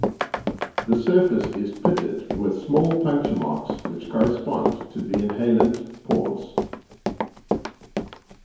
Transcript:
The surface is pitted with small puncture marks which correspond to the inhalant pores.